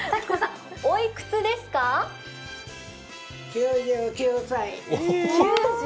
９９歳。